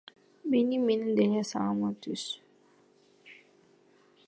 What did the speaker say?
Мени менен деле саламы түз.